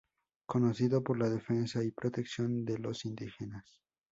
Conocido por la defensa y protección de los indígenas.